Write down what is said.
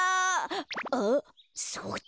あっそうだ。